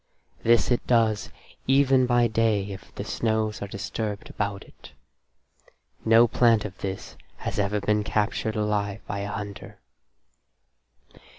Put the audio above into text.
This it does even by day if the snows are disturbed about it. No plant of this has ever been captured alive by a hunter.)